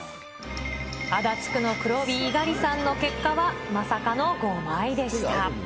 足立区の黒帯、猪狩さんの結果はまさかの５枚でした。